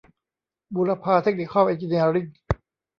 บูรพา เทคนิคอล เอ็นจิเนียริ่ง